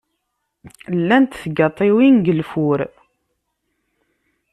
Llant tgaṭiwin deg lfur.